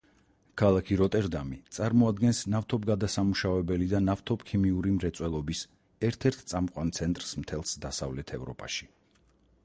ქალაქი როტერდამი წარმოადგენს ნავთობგადასამუშავებელი და ნავთობქიმიური მრეწველობის ერთ-ერთ წამყვან ცენტრს მთელს დასავლეთ ევროპაში.